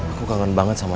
aku kangen banget sama